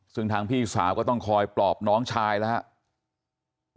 ซึ่งทางพี่สาวก็ต้องคอยปลอบน้องชายแล้วครับ